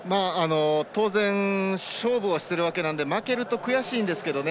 当然勝負はしているわけなんで負けると悔しいんですけどね。